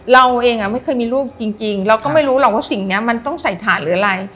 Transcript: เราเองไม่เคยมีลูกจริงเราก็ไม่รู้หรอกว่าสิ่งนี้มันต้องใส่ฐานหรืออะไร